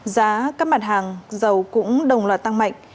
giá các mặt hàng dầu cũng đồng loạt tăng mạnh